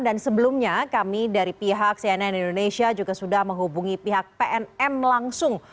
dan sebelumnya kami dari pihak cnn indonesia juga sudah menghubungi pihak pnm langsung